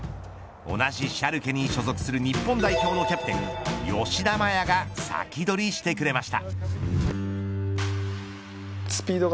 同じシャルケに所属する日本代表のキャプテン吉田麻也がサキドリしてくれました。